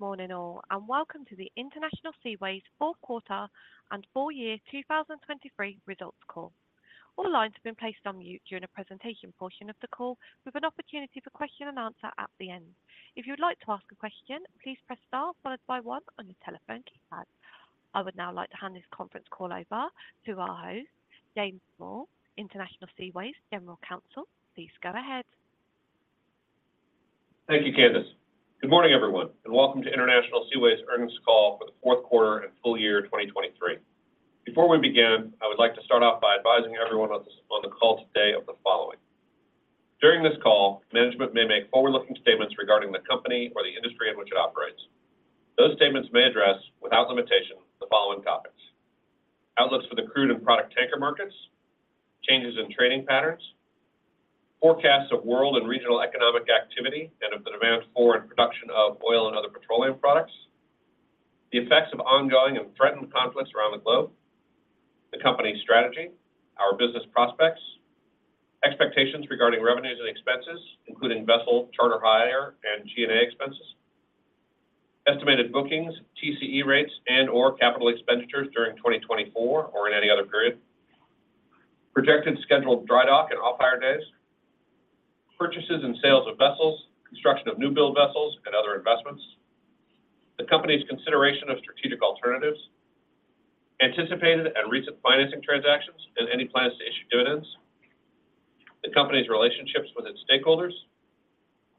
Good morning all, and welcome to the International Seaways fourth quarter and full year 2023 results call. All lines have been placed on mute during the presentation portion of the call, with an opportunity for question and answer at the end. If you would like to ask a question, please press star followed by 1 on your telephone keypad. I would now like to hand this conference call over to our host, James Small, International Seaways General Counsel. Please go ahead. Thank you, Curtis. Good morning everyone, and welcome to International Seaways earnings call for the fourth quarter and full year 2023. Before we begin, I would like to start off by advising everyone on the call today of the following: during this call, management may make forward-looking statements regarding the company or the industry in which it operates. Those statements may address, without limitation, the following topics: outlooks for the crude and product tanker markets; changes in trading patterns; forecasts of world and regional economic activity and of the demand for and production of oil and other petroleum products; the effects of ongoing and threatened conflicts around the globe; the company's strategy; our business prospects; expectations regarding revenues and expenses, including vessel, charter hire, and G&A expenses; estimated bookings, TCE rates, and/or capital expenditures during 2024 or in any other period; projected scheduled dry dock and off-hire days; purchases and sales of vessels, construction of new-build vessels, and other investments; the company's consideration of strategic alternatives; anticipated and recent financing transactions and any plans to issue dividends; the company's relationships with its stakeholders;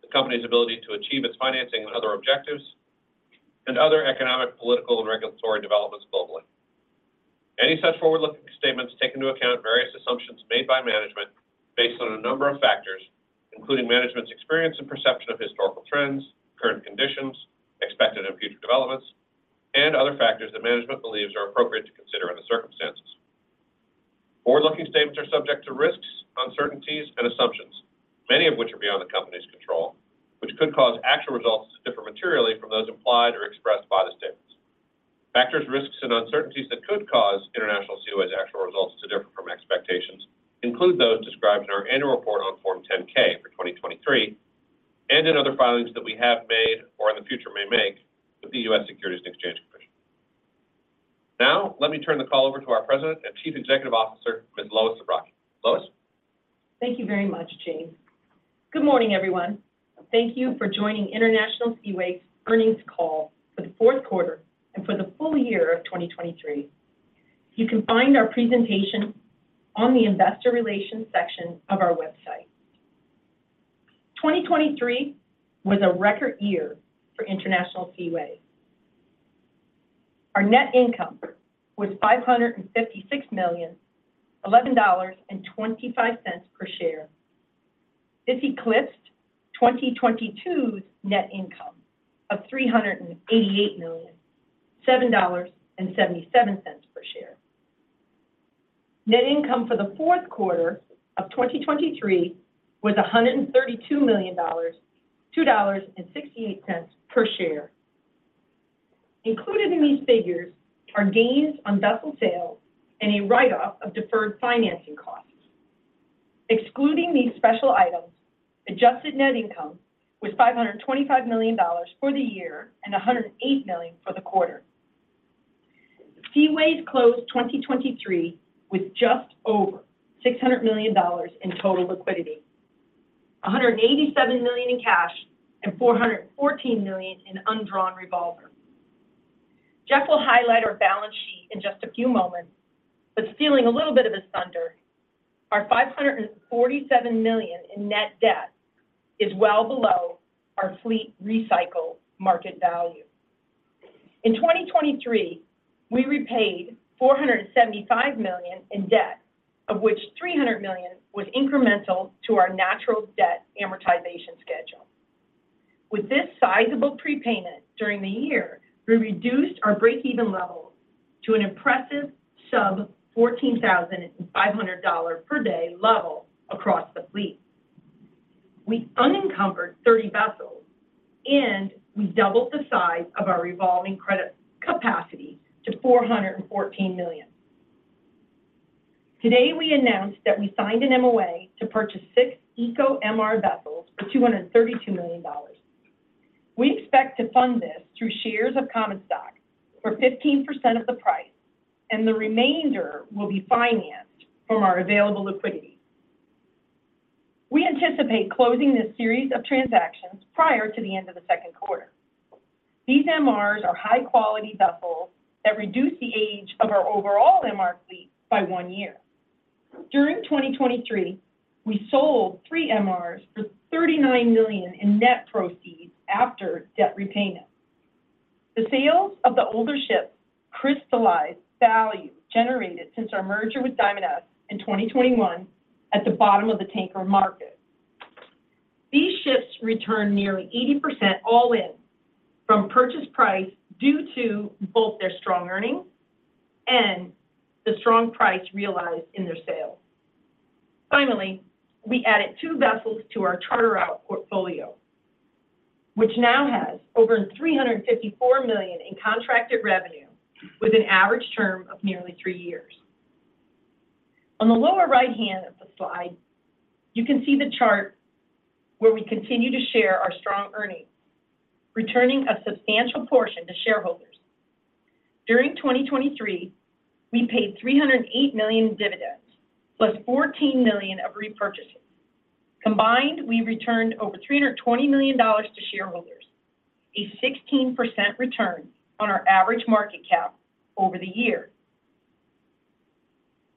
the company's ability to achieve its financing and other objectives; and other economic, political, and regulatory developments globally. Any such forward-looking statements take into account various assumptions made by management based on a number of factors, including management's experience and perception of historical trends, current conditions, expected and future developments, and other factors that management believes are appropriate to consider in the circumstances. Forward-looking statements are subject to risks, uncertainties, and assumptions, many of which are beyond the company's control, which could cause actual results to differ materially from those implied or expressed by the statements. Factors, risks, and uncertainties that could cause International Seaways' actual results to differ from expectations include those described in our annual report on Form 10-K for 2023 and in other filings that we have made or in the future may make with the U.S. Securities and Exchange Commission. Now let me turn the call over to our President and Chief Executive Officer, Ms. Lois Zabrocky. Lois. Thank you very much, James. Good morning everyone. Thank you for joining International Seaways' earnings call for the fourth quarter and for the full year of 2023. You can find our presentation on the investor relations section of our website. 2023 was a record year for International Seaways. Our net income was $556 million, $11.25 per share. This eclipsed 2022's net income of $388 million, $7.77 per share. Net income for the fourth quarter of 2023 was $132 million, $2.68 per share. Included in these figures are gains on vessel sales and a write-off of deferred financing costs. Excluding these special items, adjusted net income was $525 million for the year and $108 million for the quarter. Seaways closed 2023 with just over $600 million in total liquidity, $187 million in cash, and $414 million in undrawn revolver. Jeff will highlight our balance sheet in just a few moments, but stealing a little bit of his thunder, our $547 million in net debt is well below our fleet recycle market value. In 2023, we repaid $475 million in debt, of which $300 million was incremental to our natural debt amortization schedule. With this sizable prepayment during the year, we reduced our breakeven level to an impressive sub-$14,500 per day level across the fleet. We unencumbered 30 vessels, and we doubled the size of our revolving credit capacity to $414 million. Today we announced that we signed an MOA to purchase six Eco-MR vessels for $232 million. We expect to fund this through shares of common stock for 15% of the price, and the remainder will be financed from our available liquidity. We anticipate closing this series of transactions prior to the end of the second quarter. These MRs are high-quality vessels that reduce the age of our overall MR fleet by one year. During 2023, we sold three MRs for $39 million in net proceeds after debt repayment. The sales of the older ships crystallized value generated since our merger with Diamond S in 2021 at the bottom of the tanker market. These ships returned nearly 80% all-in from purchase price due to both their strong earnings and the strong price realized in their sale. Finally, we added two vessels to our charter-out portfolio, which now has over $354 million in contracted revenue with an average term of nearly three years. On the lower right hand of the slide, you can see the chart where we continue to share our strong earnings, returning a substantial portion to shareholders. During 2023, we paid $308 million in dividends plus $14 million of repurchases. Combined, we returned over $320 million to shareholders, a 16% return on our average market cap over the year.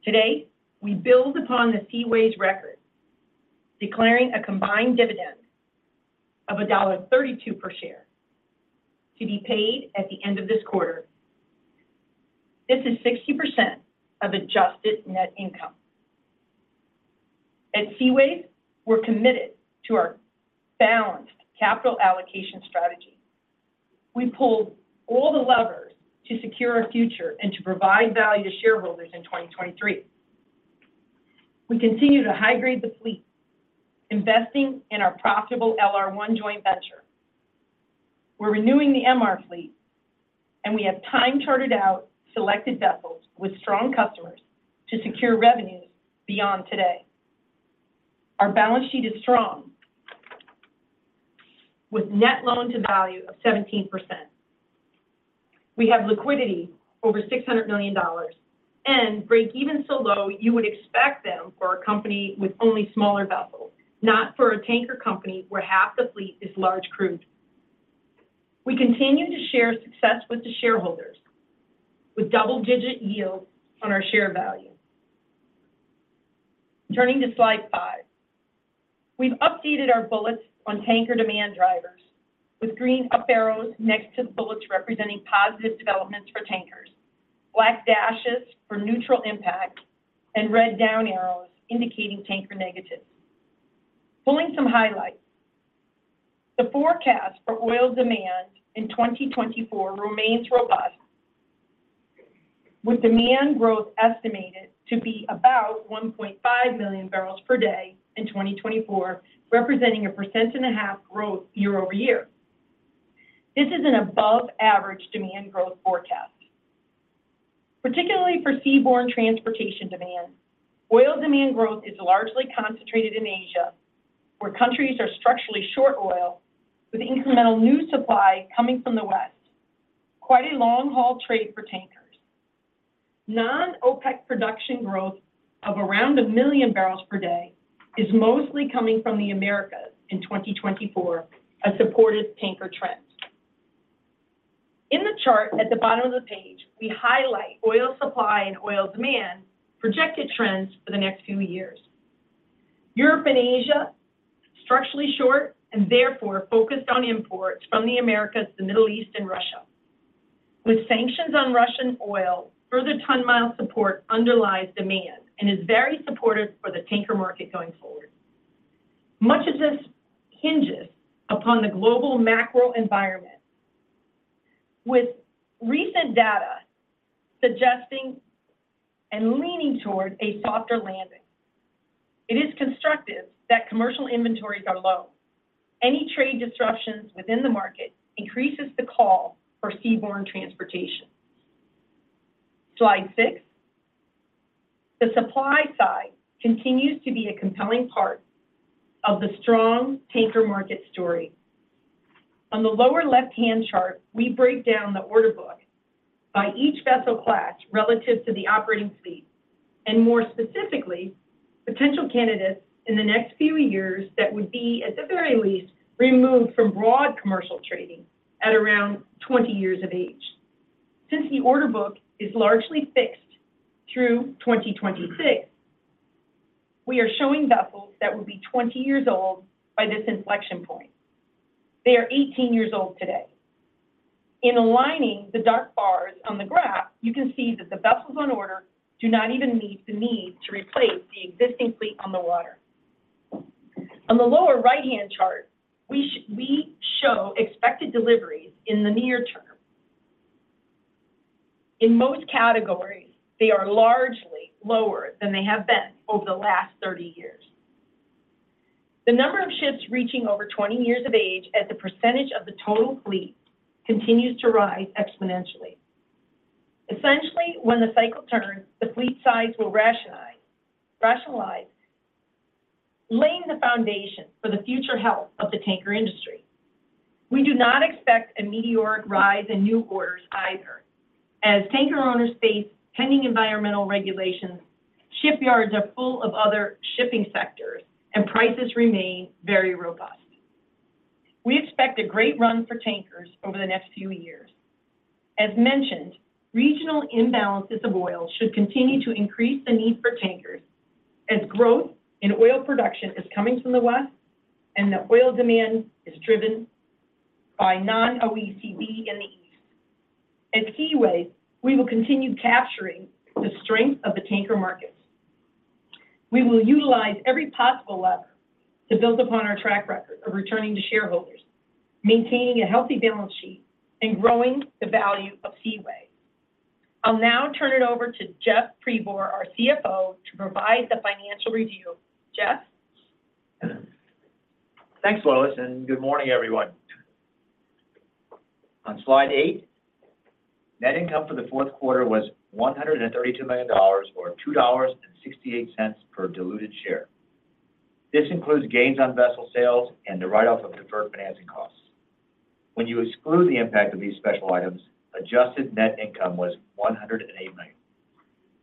Today, we build upon the Seaways' record, declaring a combined dividend of $1.32 per share to be paid at the end of this quarter. This is 60% of adjusted net income. At Seaways, we're committed to our balanced capital allocation strategy. We pulled all the levers to secure a future and to provide value to shareholders in 2023. We continue to high-grade the fleet, investing in our profitable LR1 joint venture. We're renewing the MR fleet, and we have time-chartered out selected vessels with strong customers to secure revenues beyond today. Our balance sheet is strong, with net loan-to-value of 17%. We have liquidity over $600 million and breakevens so low you would expect them for a company with only smaller vessels, not for a tanker company where half the fleet is large-crewed. We continue to share success with the shareholders, with double-digit yields on our share value. Turning to slide five, we've updated our bullets on tanker demand drivers, with green up arrows next to the bullets representing positive developments for tankers, black dashes for neutral impact, and red down arrows indicating tanker negatives. Pulling some highlights, the forecast for oil demand in 2024 remains robust, with demand growth estimated to be about 1.5 million barrels per day in 2024, representing 1.5% growth year-over-year. This is an above-average demand growth forecast. Particularly for seaborne transportation demand, oil demand growth is largely concentrated in Asia, where countries are structurally short oil, with incremental new supply coming from the West, quite a long-haul trade for tankers. Non-OPEC production growth of around 1 million barrels per day is mostly coming from the Americas in 2024, a supportive tanker trend. In the chart at the bottom of the page, we highlight oil supply and oil demand projected trends for the next few years. Europe and Asia are structurally short and therefore focused on imports from the Americas, the Middle East, and Russia. With sanctions on Russian oil, further ton-mile support underlies demand and is very supportive for the tanker market going forward. Much of this hinges upon the global macro environment, with recent data suggesting and leaning toward a softer landing. It is constructive that commercial inventories are low. Any trade disruptions within the market increases the call for seaborne transportation. Slide six. The supply side continues to be a compelling part of the strong tanker market story. On the lower left-hand chart, we break down the order book by each vessel class relative to the operating fleet and, more specifically, potential candidates in the next few years that would be, at the very least, removed from broad commercial trading at around 20 years of age. Since the order book is largely fixed through 2026, we are showing vessels that would be 20 years old by this inflection point. They are 18 years old today. In aligning the dark bars on the graph, you can see that the vessels on order do not even meet the need to replace the existing fleet on the water. On the lower right-hand chart, we show expected deliveries in the near term. In most categories, they are largely lower than they have been over the last 30 years. The number of ships reaching over 20 years of age as a percentage of the total fleet continues to rise exponentially. Essentially, when the cycle turns, the fleet size will rationalize, laying the foundation for the future health of the tanker industry. We do not expect a meteoric rise in new orders either. As tanker owners face pending environmental regulations, shipyards are full of other shipping sectors, and prices remain very robust. We expect a great run for tankers over the next few years. As mentioned, regional imbalances of oil should continue to increase the need for tankers as growth in oil production is coming from the West and the oil demand is driven by non-OECD in the East. At Seaways, we will continue capturing the strength of the tanker markets. We will utilize every possible lever to build upon our track record of returning to shareholders, maintaining a healthy balance sheet, and growing the value of Seaways. I'll now turn it over to Jeff Pribor, our CFO, to provide the financial review. Jeff. Thanks, Lois, and good morning, everyone. On slide eight, net income for the fourth quarter was $132 million or $2.68 per diluted share. This includes gains on vessel sales and the write-off of deferred financing costs. When you exclude the impact of these special items, adjusted net income was $108 million.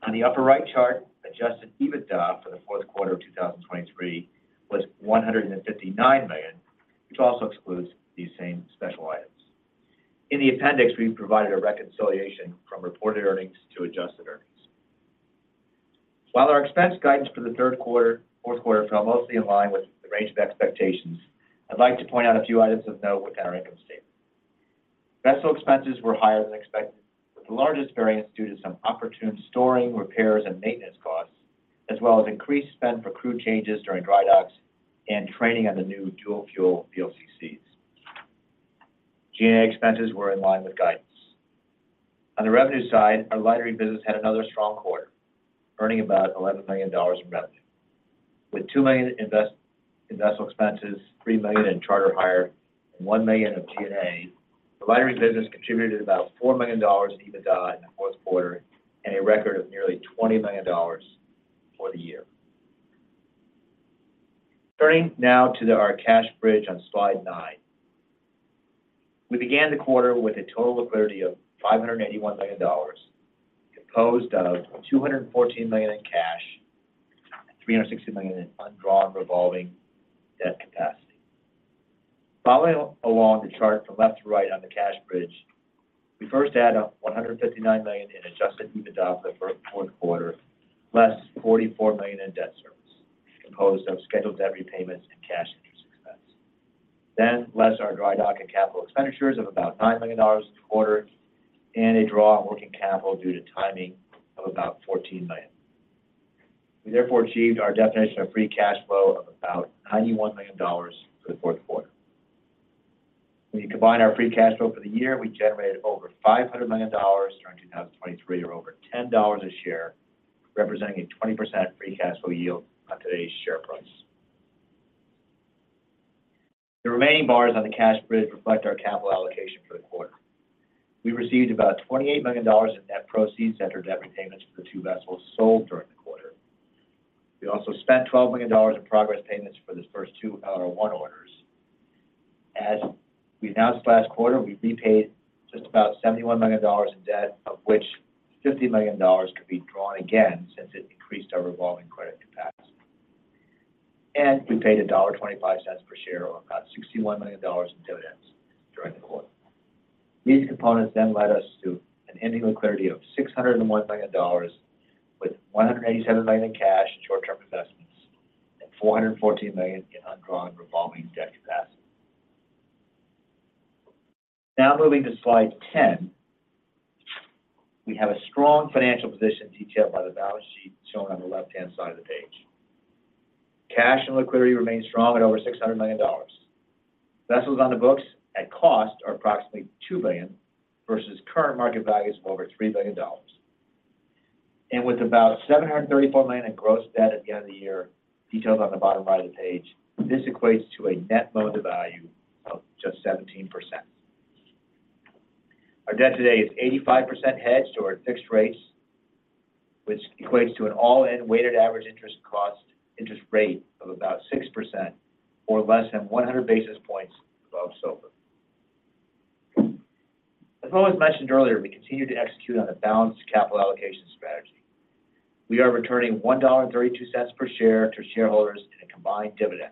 On the upper right chart, adjusted EBITDA for the fourth quarter of 2023 was $159 million, which also excludes these same special items. In the appendix, we've provided a reconciliation from reported earnings to adjusted earnings. While our expense guidance for the third quarter/fourth quarter fell mostly in line with the range of expectations, I'd like to point out a few items of note within our income statement. Vessel expenses were higher than expected, with the largest variance due to some opportune storing, repairs, and maintenance costs, as well as increased spend for crew changes during dry docks and training on the new dual-fuel VLCCs. G&A expenses were in line with guidance. On the revenue side, our lightering business had another strong quarter, earning about $11 million in revenue. With $2 million in vessel expenses, $3 million in charter hire, and $1 million of G&A, the lightering business contributed about $4 million in EBITDA in the fourth quarter and a record of nearly $20 million for the year. Turning now to our cash bridge on slide nine. We began the quarter with a total liquidity of $581 million, composed of $214 million in cash and $360 million in undrawn revolving debt capacity. Following along the chart from left to right on the cash bridge, we first had $159 million in adjusted EBITDA for the fourth quarter, less $44 million in debt service, composed of scheduled debt repayments and cash interest expense. Then less our dry dock and capital expenditures of about $9 million in the quarter and a draw on working capital due to timing of about $14 million. We therefore achieved our definition of free cash flow of about $91 million for the fourth quarter. When you combine our free cash flow for the year, we generated over $500 million during 2023 or over $10 a share, representing a 20% free cash flow yield on today's share price. The remaining bars on the cash bridge reflect our capital allocation for the quarter. We received about $28 million in net proceeds after debt repayments for the two vessels sold during the quarter. We also spent $12 million in progress payments for the first two LR1 orders. As we announced last quarter, we repaid just about $71 million in debt, of which $50 million could be drawn again since it increased our revolving credit capacity. We paid $1.25 per share or about $61 million in dividends during the quarter. These components then led us to an ending liquidity of $601 million with $187 million in cash and short-term investments and $414 million in undrawn revolving debt capacity. Now moving to slide 10, we have a strong financial position detailed by the balance sheet shown on the left-hand side of the page. Cash and liquidity remain strong at over $600 million. Vessels on the books at cost are approximately $2 billion versus current market values of over $3 billion. With about $734 million in gross debt at the end of the year detailed on the bottom right of the page, this equates to a net loan-to-value of just 17%. Our debt today is 85% hedged or at fixed rates, which equates to an all-in weighted average interest rate of about 6% or less than 100 basis points above SOFR. As Lois mentioned earlier, we continue to execute on a balanced capital allocation strategy. We are returning $1.32 per share to shareholders in a combined dividend.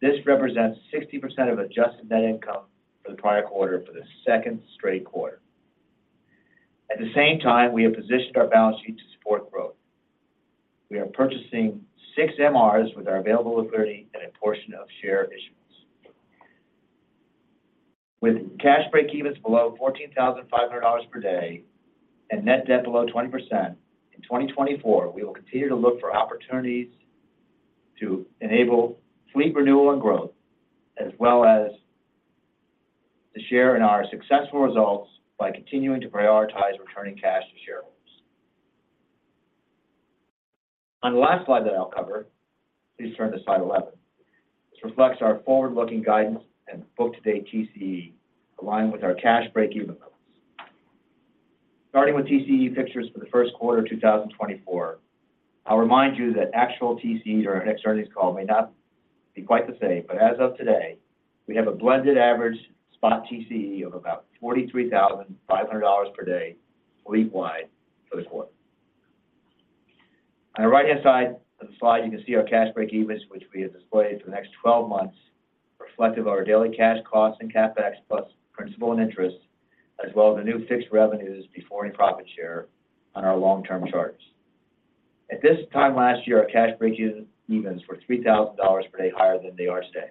This represents 60% of adjusted net income for the prior quarter for the second straight quarter. At the same time, we have positioned our balance sheet to support growth. We are purchasing six MRs with our available liquidity and a portion of share issuance. With cash breakevens below $14,500 per day and net debt below 20% in 2024, we will continue to look for opportunities to enable fleet renewal and growth, as well as to share in our successful results by continuing to prioritize returning cash to shareholders. On the last slide that I'll cover, please turn to slide 11. This reflects our forward-looking guidance and book-to-date TCE, aligned with our cash breakeven levels. Starting with TCE pictures for the first quarter of 2024, I'll remind you that actual TCEs or our next earnings call may not be quite the same, but as of today, we have a blended average spot TCE of about $43,500 per day fleet-wide for the quarter. On the right-hand side of the slide, you can see our cash breakevens, which we have displayed for the next 12 months, reflective of our daily cash costs and CapEx plus principal and interest, as well as the new fixed revenues before any profit share on our long-term charters. At this time last year, our cash breakevens were $3,000 per day higher than they are today.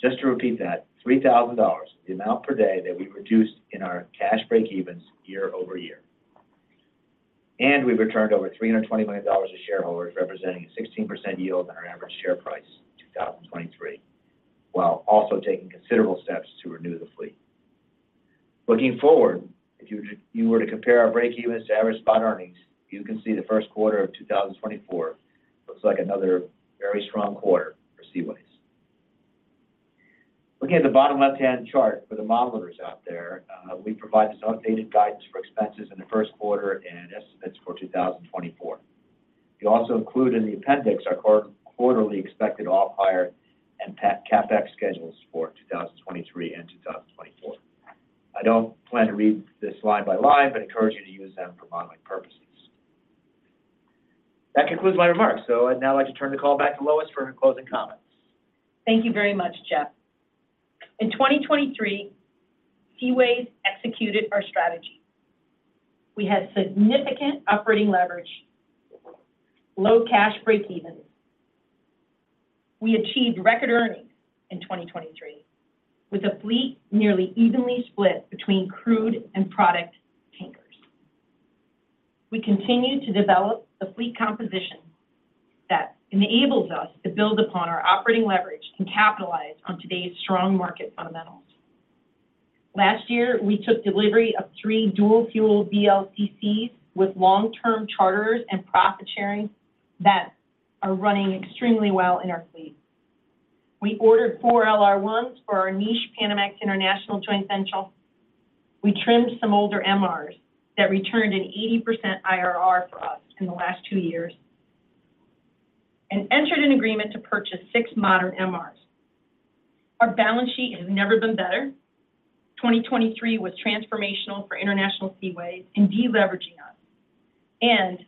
Just to repeat that, $3,000 is the amount per day that we reduced in our cash breakevens year-over-year. We've returned over $320 million to shareholders, representing a 16% yield on our average share price in 2023 while also taking considerable steps to renew the fleet. Looking forward, if you were to compare our breakevens to average spot earnings, you can see the first quarter of 2024 looks like another very strong quarter for Seaways. Looking at the bottom left-hand chart for the modelers out there, we provide this updated guidance for expenses in the first quarter and estimates for 2024. We also include in the appendix our quarterly expected off-hire and CapEx schedules for 2023 and 2024. I don't plan to read this line by line, but encourage you to use them for modeling purposes. That concludes my remarks. So I'd now like to turn the call back to Lois for her closing comments. Thank you very much, Jeff. In 2023, Seaways executed our strategy. We had significant operating leverage, low cash breakevens. We achieved record earnings in 2023 with a fleet nearly evenly split between crude and product tankers. We continue to develop the fleet composition that enables us to build upon our operating leverage and capitalize on today's strong market fundamentals. Last year, we took delivery of three dual-fuel VLCCs with long-term charters and profit sharing that are running extremely well in our fleet. We ordered four LR1s for our niche Panamax International joint venture. We trimmed some older MRs that returned an 80% IRR for us in the last two years and entered an agreement to purchase six modern MRs. Our balance sheet has never been better. 2023 was transformational for International Seaways in deleveraging us and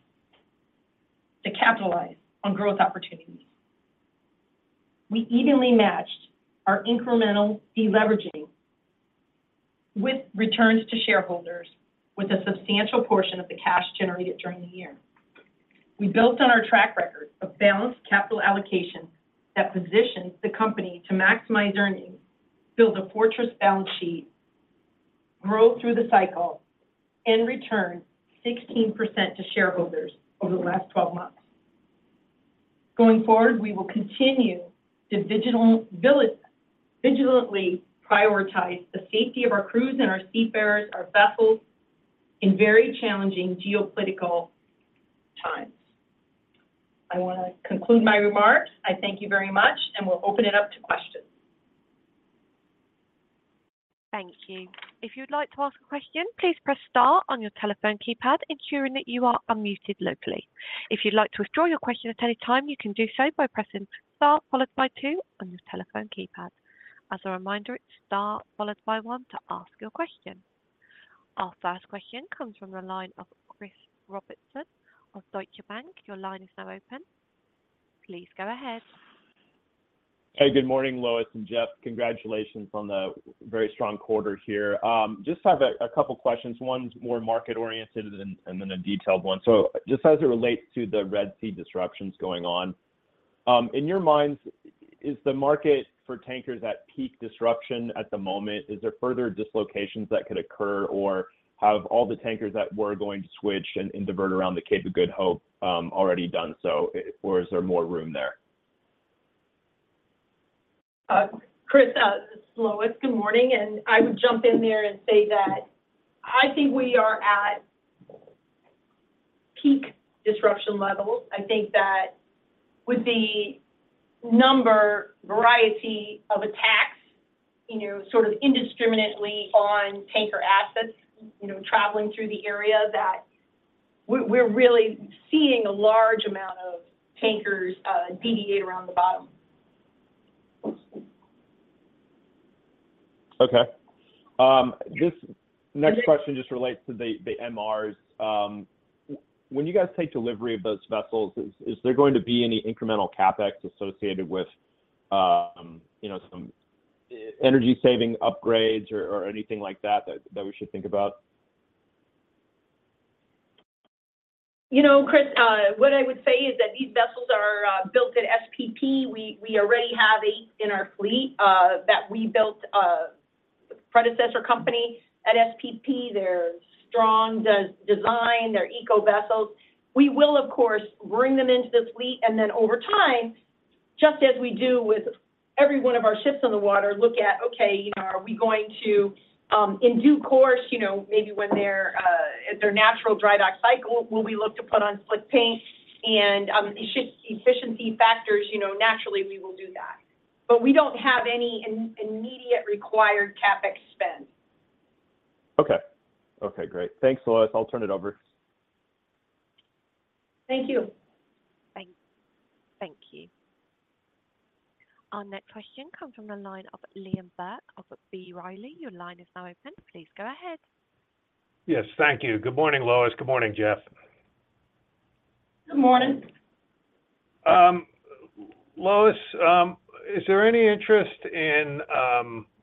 to capitalize on growth opportunities. We evenly matched our incremental deleveraging with returns to shareholders with a substantial portion of the cash generated during the year. We built on our track record of balanced capital allocation that positioned the company to maximize earnings, build a fortress balance sheet, grow through the cycle, and return 16% to shareholders over the last 12 months. Going forward, we will continue to vigilantly prioritize the safety of our crews and our seafarers, our vessels, in very challenging geopolitical times. I want to conclude my remarks. I thank you very much, and we'll open it up to questions. Thank you. If you'd like to ask a question, please press star on your telephone keypad, ensuring that you are unmuted locally. If you'd like to withdraw your question at any time, you can do so by pressing star followed by two on your telephone keypad. As a reminder, it's star followed by one to ask your question. Our first question comes from the line of Chris Robertson of Deutsche Bank. Your line is now open. Please go ahead. Hey, good morning, Lois and Jeff. Congratulations on the very strong quarter here. Just have a couple of questions. One's more market-oriented and then a detailed one. So just as it relates to the Red Sea disruptions going on, in your minds, is the market for tankers at peak disruption at the moment? Is there further dislocations that could occur, or have all the tankers that were going to switch and divert around the Cape of Good Hope already done so, or is there more room there? Chris, Lois, good morning. I would jump in there and say that I think we are at peak disruption levels. I think that with the number variety of attacks sort of indiscriminately on tanker assets traveling through the area, that we're really seeing a large amount of tankers deviate around the bottom. Okay. This next question just relates to the MRs. When you guys take delivery of those vessels, is there going to be any incremental CapEx associated with some energy-saving upgrades or anything like that that we should think about? Chris, what I would say is that these vessels are built at SPP. We already have eight in our fleet that we built, the predecessor company at SPP. They're strong design. They're eco-vessels. We will, of course, bring them into the fleet. And then over time, just as we do with every one of our ships on the water, look at, "Okay, are we going to in due course, maybe when they're at their natural dry dock cycle, will we look to put on split paint?" And efficiency factors, naturally, we will do that. But we don't have any immediate required CapEx spend. Okay. Okay, great. Thanks, Lois. I'll turn it over. Thank you. Thank you. Our next question comes from the line of Liam Burke of B. Riley. Your line is now open. Please go ahead. Yes, thank you. Good morning, Lois. Good morning, Jeff. Good morning. Lois, is there any interest in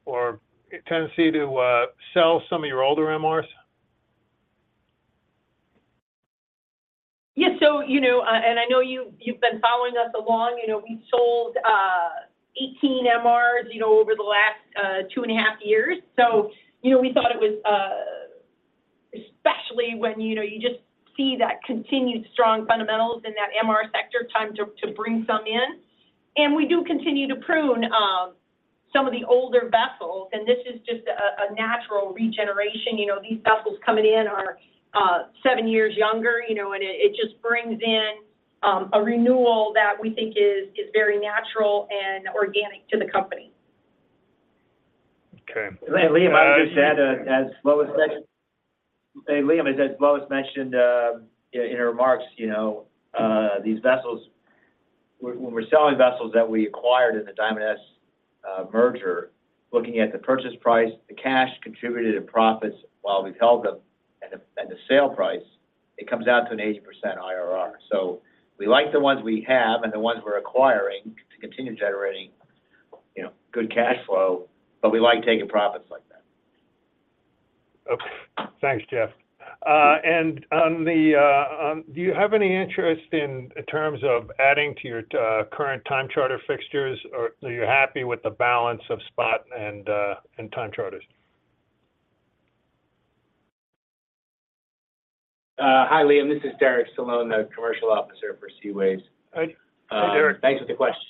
or tendency to sell some of your older MRs? Yes. And I know you've been following us along. We've sold 18 MRs over the last two and a half years. So we thought it was, especially when you just see that continued strong fundamentals in that MR sector, time to bring some in. And we do continue to prune some of the older vessels. And this is just a natural regeneration. These vessels coming in are seven years younger, and it just brings in a renewal that we think is very natural and organic to the company. Okay. Liam, I would just add, as Lois mentioned Liam, as Lois mentioned in her remarks, these vessels, when we're selling vessels that we acquired in the Diamond S merger, looking at the purchase price, the cash contributed to profits while we've held them, and the sale price, it comes out to an 80% IRR. So we like the ones we have and the ones we're acquiring to continue generating good cash flow, but we like taking profits like that. Okay. Thanks, Jeff. Do you have any interest in terms of adding to your current time charter fixtures, or are you happy with the balance of spot and time charters? Hi, Liam. This is Derek Solon, the Commercial Officer for Seaways. Hi, Derek. Thanks for the question.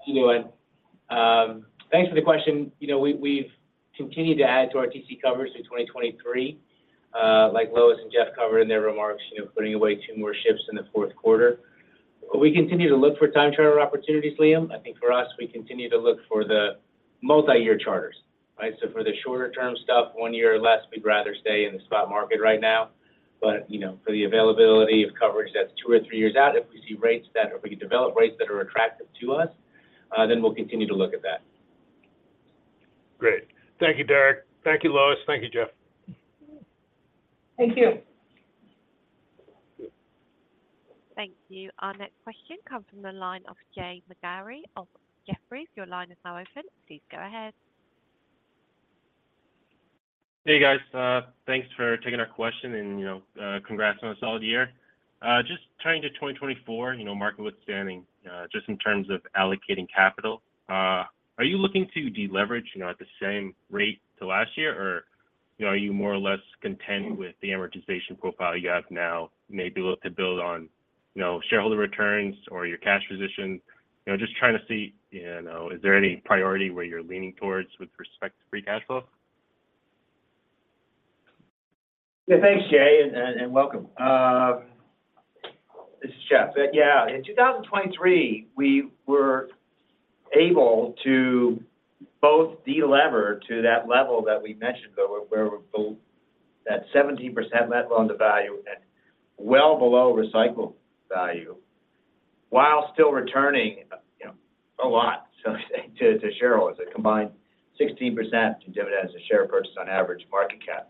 How you doing? Thanks for the question. We've continued to add to our TC covers through 2023, like Lois and Jeff covered in their remarks, putting away two more ships in the fourth quarter. We continue to look for time charter opportunities, Liam. I think for us, we continue to look for the multi-year charters, right? So for the shorter-term stuff, one year or less, we'd rather stay in the spot market right now. But for the availability of coverage that's two or three years out, if we see rates that or if we can develop rates that are attractive to us, then we'll continue to look at that. Great. Thank you, Derek. Thank you, Lois. Thank you, Jeff. Thank you. Thank you. Our next question comes from the line of [Jay Magari] of Jefferies. Your line is now open. Please go ahead. Hey, guys. Thanks for taking our question and congrats on a solid year. Just turning to 2024, market withstanding just in terms of allocating capital. Are you looking to deleverage at the same rate to last year, or are you more or less content with the amortization profile you have now, maybe to build on shareholder returns or your cash position? Just trying to see, is there any priority where you're leaning towards with respect to free cash flow? Yeah, thanks, Jay, and welcome. This is Jeff. Yeah, in 2023, we were able to both delever to that level that we mentioned, though, where we're at 17% net loan-to-value and well below recycled value while still returning a lot, so to say, to shareholders, a combined 16% in dividends and share purchase on average market cap.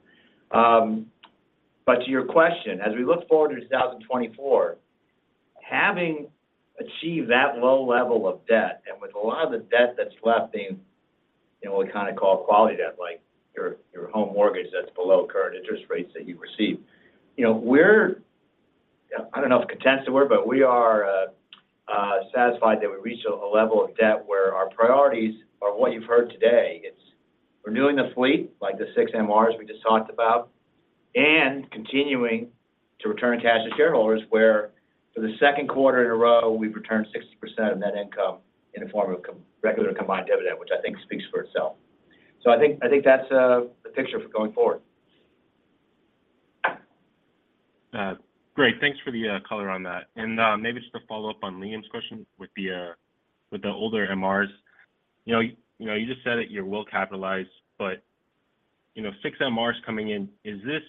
But to your question, as we look forward to 2024, having achieved that low level of debt and with a lot of the debt that's left being what we kind of call quality debt, like your home mortgage that's below current interest rates that you receive, we're—I don't know if "content" is the word—but we are satisfied that we reached a level of debt where our priorities are what you've heard today. It's renewing the fleet, like the six MRs we just talked about, and continuing to return cash to shareholders where for the second quarter in a row, we've returned 60% of net income in the form of regular combined dividend, which I think speaks for itself. So I think that's the picture for going forward. Great. Thanks for the color on that. And maybe just to follow up on Liam's question with the older MRs, you just said that you're willing to capitalize, but six MRs coming in, is this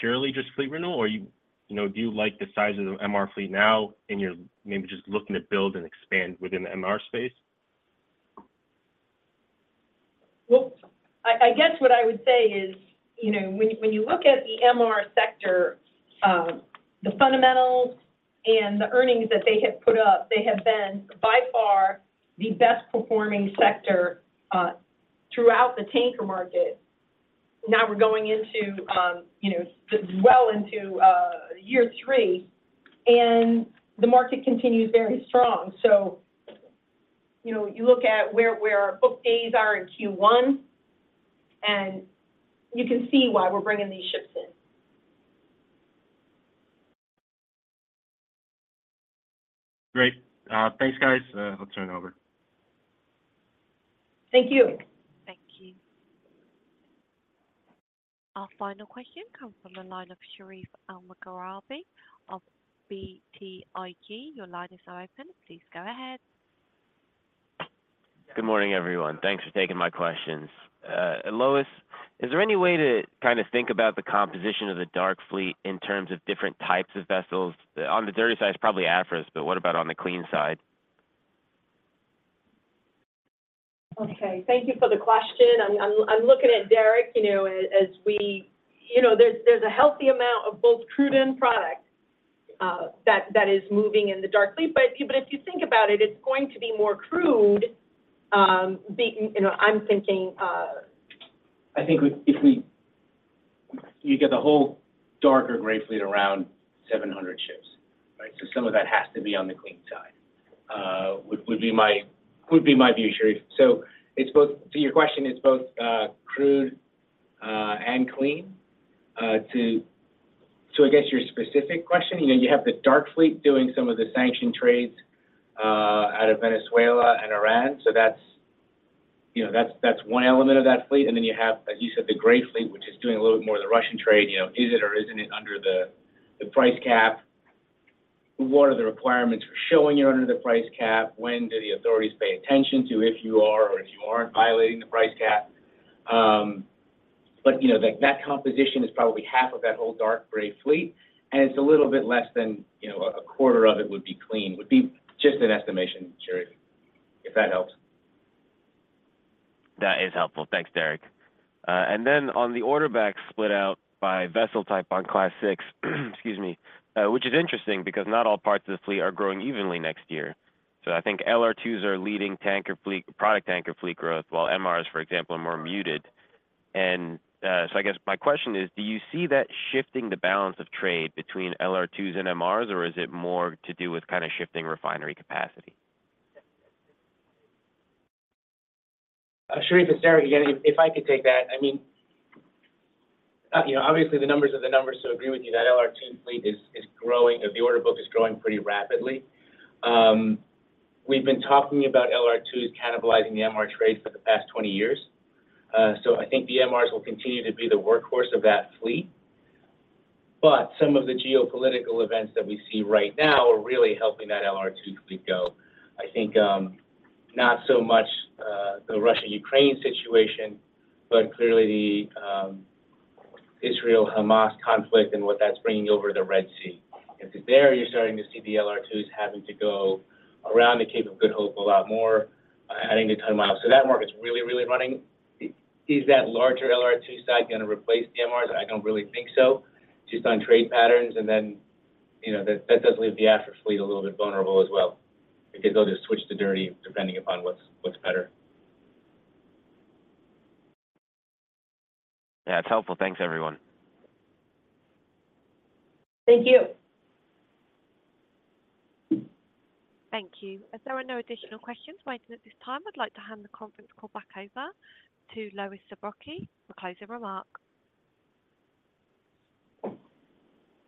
purely just fleet renewal, or do you like the size of the MR fleet now and you're maybe just looking to build and expand within the MR space? Well, I guess what I would say is when you look at the MR sector, the fundamentals and the earnings that they have put up, they have been by far the best-performing sector throughout the tanker market. Now we're going well into year three, and the market continues very strong. So you look at where our book days are in Q1, and you can see why we're bringing these ships in. Great. Thanks, guys. I'll turn it over. Thank you. Thank you. Our final question comes from the line of Sherif Elmaghrabi of BTIG. Your line is now open. Please go ahead. Good morning, everyone. Thanks for taking my questions. Lois, is there any way to kind of think about the composition of the dark fleet in terms of different types of vessels? On the dirty side, it's probably Aframax, but what about on the clean side? Okay. Thank you for the question. I'm looking at Derek as well, there's a healthy amount of both crude and product that is moving in the dark fleet. But if you think about it, it's going to be more crude. I'm thinking. I think if you get the whole dark, gray fleet around 700 ships, right? So some of that has to be on the clean side would be my view, Sherif. So to your question, it's both crude and clean. So, I guess, your specific question, you have the dark fleet doing some of the sanctions trades out of Venezuela and Iran. So that's one element of that fleet. And then you have, as you said, the gray fleet, which is doing a little bit more of the Russian trade. Is it or isn't it under the price cap? What are the requirements for showing you're under the price cap? When do the authorities pay attention to if you are or if you aren't violating the price cap? But that composition is probably half of that whole dark gray fleet. It's a little bit less than a quarter of it would be clean. Would be just an estimation, Sherif, if that helps. That is helpful. Thanks, Derek. Then on the orderbook split out by vessel type on LR1s, excuse me, which is interesting because not all parts of the fleet are growing evenly next year. I think LR2s are leading tanker fleet product tanker fleet growth, while MRs, for example, are more muted. So I guess my question is, do you see that shifting the balance of trade between LR2s and MRs, or is it more to do with kind of shifting refinery capacity? Sherif, it's Derek again. If I could take that, I mean, obviously, the numbers are the numbers. So agree with you, that LR2 fleet is growing. The order book is growing pretty rapidly. We've been talking about LR2s cannibalizing the MR trade for the past 20 years. So I think the MRs will continue to be the workhorse of that fleet. But some of the geopolitical events that we see right now are really helping that LR2 fleet go. I think not so much the Russia-Ukraine situation, but clearly the Israel-Hamas conflict and what that's bringing over the Red Sea. If it's there, you're starting to see the LR2s having to go around the Cape of Good Hope a lot more, adding a ton of miles. So that market's really, really running. Is that larger LR2 side going to replace the MRs? I don't really think so, just on trade patterns. And then that does leave the Aframax fleet a little bit vulnerable as well because they'll just switch to dirty depending upon what's better. Yeah, it's helpful. Thanks, everyone. Thank you. Thank you. If there are no additional questions waiting at this time, I'd like to hand the conference call back over to Lois Zabrocky for closing remark.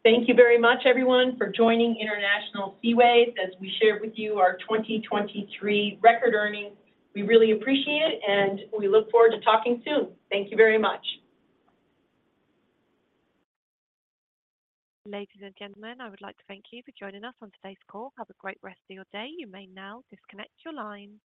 Thank you very much, everyone, for joining International Seaways as we shared with you our 2023 record earnings. We really appreciate it, and we look forward to talking soon. Thank you very much. Ladies and gentlemen, I would like to thank you for joining us on today's call. Have a great rest of your day. You may now disconnect your lines.